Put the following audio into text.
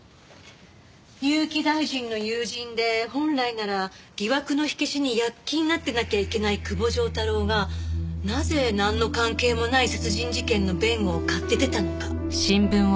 結城大臣の友人で本来なら疑惑の火消しに躍起になってなきゃいけない久保丈太郎がなぜなんの関係もない殺人事件の弁護を買って出たのか。